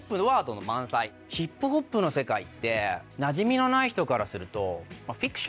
ＨＩＰＨＯＰの世界ってなじみのない人からすると。